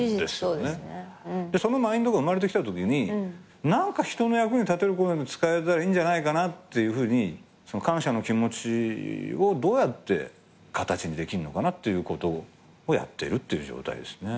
そのマインドが生まれてきたときに何か人の役に立てることに使えたらいいんじゃないかなって感謝の気持ちをどうやって形にできんのかなってことをやってるっていう状態ですね。